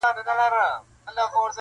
o ځکه نه خېژي په تله برابر د جهان یاره ,